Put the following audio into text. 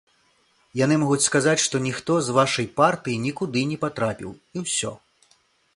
Яны могуць сказаць, што ніхто з вашай партыі нікуды не патрапіў і ўсё!